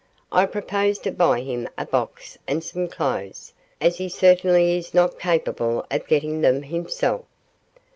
I propose to buy him a box and some clothes, as he certainly is not capable of getting them himself.